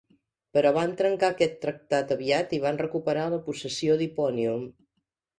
Però van trencar aquest tractat aviat i van recuperar la possessió d'Hipponium.